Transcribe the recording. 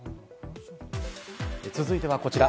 続いてはこちら。